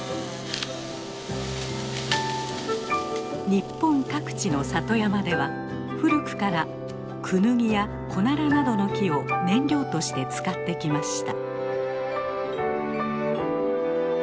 日本各地の里山では古くからクヌギやコナラなどの木を燃料として使ってきました。